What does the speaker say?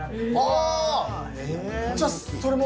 じゃあそれも。